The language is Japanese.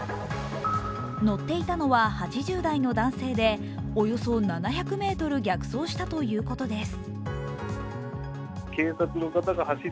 乗っていたのは８０代の男性でおよそ７００ｍ逆走したということです。